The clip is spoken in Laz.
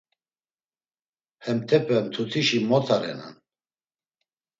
Hentepe mtutişi mota renan.